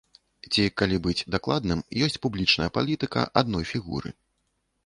Ці, калі быць дакладным, ёсць публічная палітыка адной фігуры.